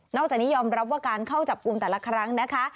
จากนี้ยอมรับว่าการเข้าจับกลุ่มแต่ละครั้งนะคะ